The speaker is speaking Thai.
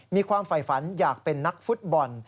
มีความไฟฝันอยากเป็นนักฟุตบอล